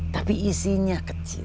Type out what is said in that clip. tapi isinya kecil